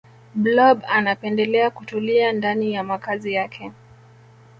blob anapendelea kutulia ndani ya makazi yake